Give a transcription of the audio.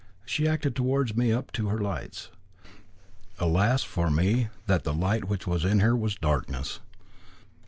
She acted towards me up to her lights; alas for me that the light which was in her was darkness!